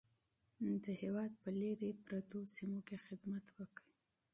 د هېواد په لیرې پرتو سیمو کې خدمت وکړئ.